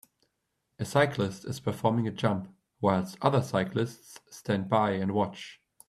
A cyclist is performing a jump whilst other cyclists stand by and watch.